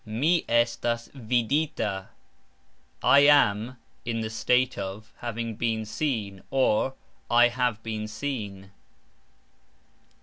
Mi estas vidita ............. I am (in the state of) having been seen, or, I have been seen.